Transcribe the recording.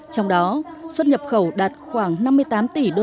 trong đó xuất nhập khẩu đạt khoảng năm mươi tám tỷ usd